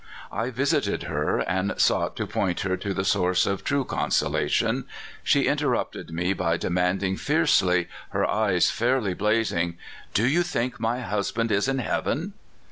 I visited her, and sought to point her to the Source of true consolation. She interrupted me by demand ing fiercely — her eyes fiiirly blazing —" Do you think my husband is in heaven